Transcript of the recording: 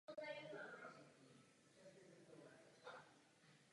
Tímto krokem vstoupil do politiky.